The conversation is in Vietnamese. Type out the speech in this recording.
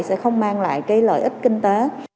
sẽ không mang lại cái lợi ích kinh tế